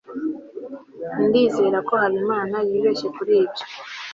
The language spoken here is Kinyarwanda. ndizera ko habimana yibeshye kuri ibyo